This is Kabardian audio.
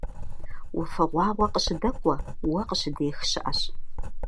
Уафэгъуагъуэ къыщыдэкӀуэ, уэ къыщыдех щыӀэщ.